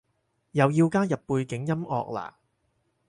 又要加入背景音樂喇？